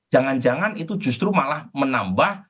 jangan jangan itu justru malah menambah